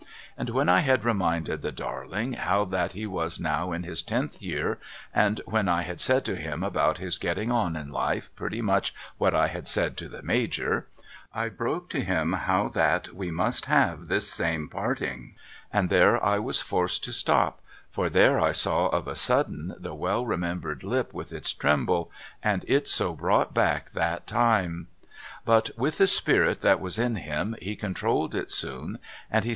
And when I had reminded the darling how that he was now in his tenth year and when I had said to him about his getting on in life pretty much what I had said to the Major I broke to him how that we must have this same parting, and there I was forced to stop for there I saw of a sudden the well remembered lip with its tremble, and it so brought back that time I But with the spirit that was in him he controlled it soon and he